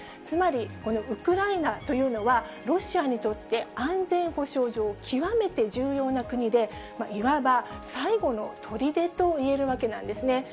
つまり、このウクライナというのは、ロシアにとって安全保障上、極めて重要な国で、いわば最後のとりでといえるわけなんです。